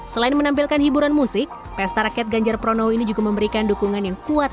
selain menampilkan hiburan musik pesta rakyat ganjar pranowo ini juga memberikan dukungan yang kuat